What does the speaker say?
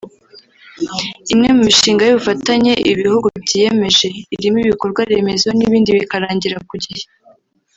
imwe mu mishinga y’ubufatanye ibi bihugu byiyemeje irimo ibikorwa remezo n’ibindi bikarangira ku gihe